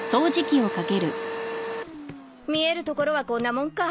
見えるところはこんなもんか。